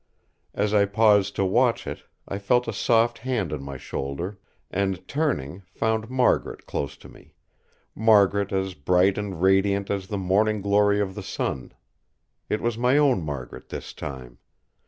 As I paused to watch it, I felt a soft hand on my shoulder; and, turning, found Margaret close to me; Margaret as bright and radiant as the morning glory of the sun! It was my own Margaret this time!